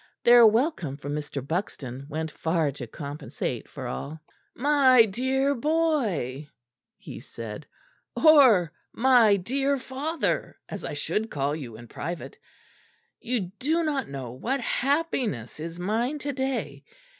Their welcome from Mr. Buxton went far to compensate for all. "My dear boy," he said, "or, my dear father, as I should call you in private, you do not know what happiness is mine to day.